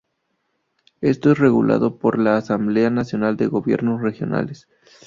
Esto es regulado por la Asamblea Nacional de Gobiernos Regionales.